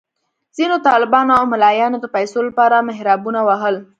ځینو طالبانو او ملایانو د پیسو لپاره محرابونه وهل.